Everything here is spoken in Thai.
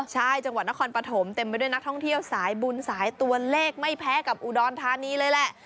ใช่จังหวัดนครปฐมเต็มไปด้วยนักท่องเที่ยวสายบุญสายตัวเลขไม่แพ้กับอุดรธานีเลยแหละ